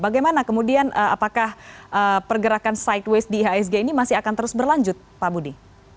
bagaimana kemudian apakah pergerakan sideways di ihsg ini masih akan terus berlanjut pak budi